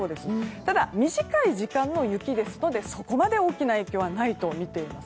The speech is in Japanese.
ただ、短い時間の雪ですのでそこまで大きな影響はないということです。